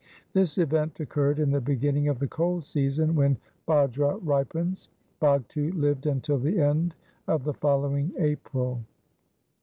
This event occurred in the beginning of the cold season when bajra ripens. Bhagtu lived until the end of the following April.